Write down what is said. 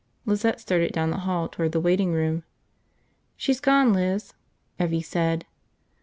Lizette started down the hall toward the waiting room. "She's gone, Liz," Evvie said.